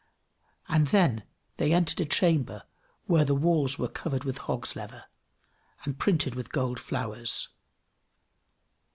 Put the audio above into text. And then they entered a chamber where the walls were covered with hog's leather, and printed with gold flowers.